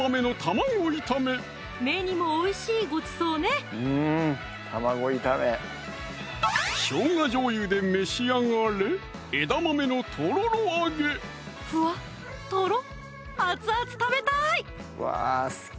目にもおいしいごちそうねしょうがじょうゆで召し上がれふわっとろっ熱々食べたい！